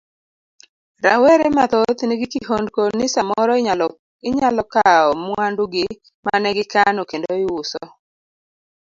Rawere mathoth nigi kihondko ni samoro inyalo kawo mwandu gi mane gikano kendo iuso.